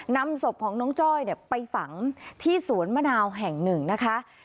นำศพของน้องจ้อยไปฝังที่สวนมะนาวแห่งหนึ่งนะคะ